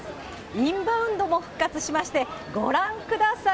インバウンドも復活しまして、ご覧ください。